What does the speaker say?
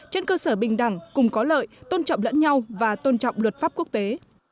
trên cơ sở bình đẳng cùng có lợi tôn trọng lẫn nhau và tôn trọng luật pháp quốc tế